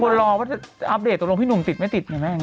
ปุเตอร์รอว่าจะอัพเดทตรงลงพี่หนึ่งติดไหมแม่